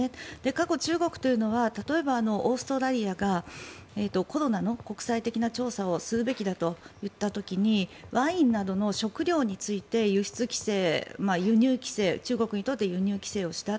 過去、中国というのは例えば、オーストラリアがコロナの国際的な調査をするべきだといったときにワインなどの食料について輸出規制、輸入規制中国にとって輸入規制をした。